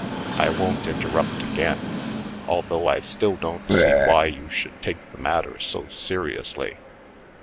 I won't interrupt again, although I still don't see why you should take the matter so seri ously."